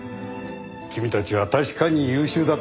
君たちは確かに優秀だった。